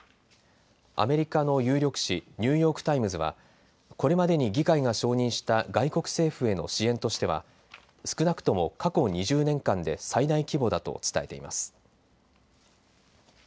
アメリカの有力紙、ニューヨーク・タイムズはこれまでに議会が承認した外国政府への支援としては少なくとも過去２０年間で最大規模だと伝えています。